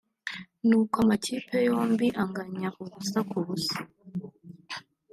nuko amakipe yombi anganya ubusa ku busa